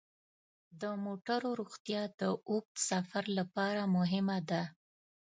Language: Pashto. د موټرو روغتیا د اوږد سفر لپاره مهمه ده.